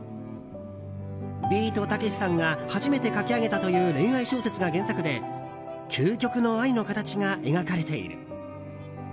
ビートたけしさんが初めて書き上げたという恋愛小説が原作で究極の愛の形が描かれている。